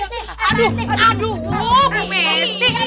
aduh aduh bu messi